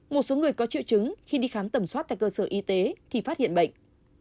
một số người có triệu chứng khi đi khám tẩm soát tại cơ sở y tế thì phát hiện bệnh